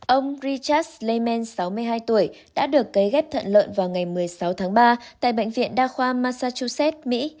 ông richas leemen sáu mươi hai tuổi đã được cấy ghép thận lợn vào ngày một mươi sáu tháng ba tại bệnh viện đa khoa massachusetts mỹ